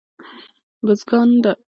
بزګان د افغانستان د ښاري پراختیا سبب کېږي.